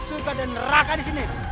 surga dan neraka disini